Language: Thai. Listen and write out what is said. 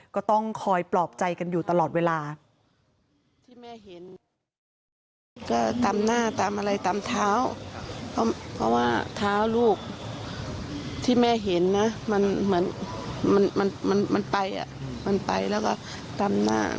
ก็ต้องคอยปลอบใจกันอยู่ตลอดเวลา